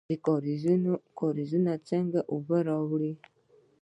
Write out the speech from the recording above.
کاریزونه څنګه اوبه راوړي؟